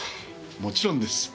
もちろんです。